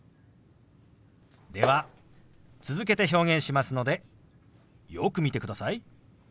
では続けて表現しますのでよく見てください。